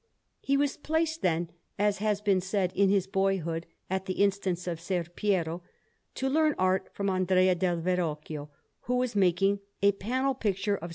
He was placed, then, as has been said, in his boyhood, at the instance of Ser Piero, to learn art with Andrea del Verrocchio, who was making a panel picture of S.